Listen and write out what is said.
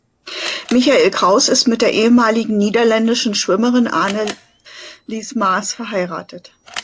Michael Kraus ist mit der ehemaligen niederländischen Schwimmerin Annelies Maas verheiratet.